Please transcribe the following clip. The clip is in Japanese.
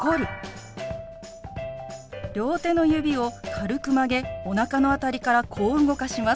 両手の指を軽く曲げおなかの辺りからこう動かします。